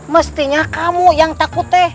mestinya kamu yang takut